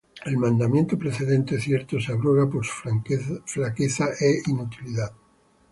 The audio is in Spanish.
El mandamiento precedente, cierto se abroga por su flaqueza é inutilidad;